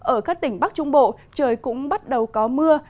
ở các tỉnh bắc trung bộ trời cũng bắt đầu có mưa